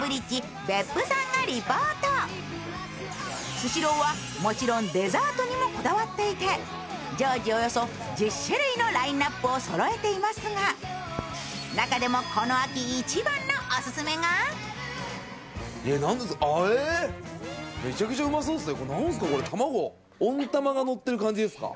スシローはもちろんデザートにもこだわっていて、常時およそ１０種類のラインナップをそろえていますが中でもこの秋一番のオススメがえっ、なんですかめちゃくちゃうまそうですよ